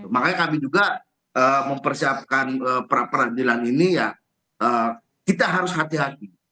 makanya kami juga mempersiapkan peradilan ini ya kita harus hati hati